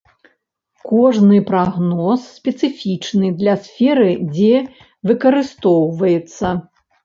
Кожны прагноз спецыфічны для сферы дзе выкарыстоўваецца.